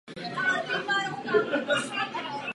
Děláme pokroky, ale příliš pomalu.